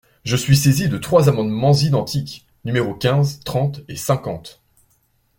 Je suis saisi de trois amendements identiques, numéros quinze, trente et cinquante.